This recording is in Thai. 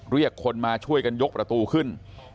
เรียกคนมาช่วยกันยกประตูขึ้น